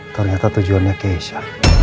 ternyata tujuannya keisha